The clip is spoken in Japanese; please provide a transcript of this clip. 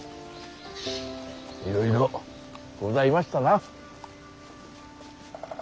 いろいろございましたな。